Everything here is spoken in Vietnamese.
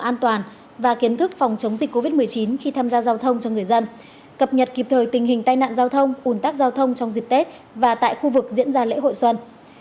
an toàn và kiến thức phòng chống dịch covid một mươi chín khi tham gia giao thông cho người dân cập nhật kịp thời tình hình tai nạn giao thông ủn tắc giao thông trong dịp tết và tại khu vực diễn ra lễ hội xuân